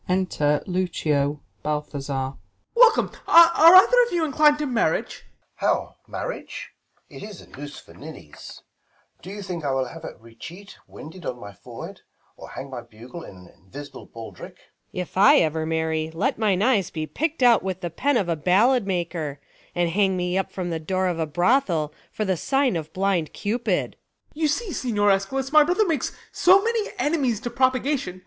Enter Lucio, Balthazar. Ben. Welcome ! are either of you inclin'd to marriage ? Bal, How, marriage 1 it is a noose for ninnies ; Do you think I will have a recheat winded In my forehead, or hang my bugle in An invisible baldrick 1 Luc. If I ever marry, let mine eyes be Pickt out with the pen of a ballad maker, And hang me up at the door of a brothel, For the sign of blind cupid. Ben. You see, Signior Eschalus, my brother makes So many enemies to propagation.